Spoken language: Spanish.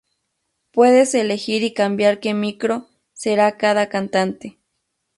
Puedes elegir y cambiar que micro será cada cantante.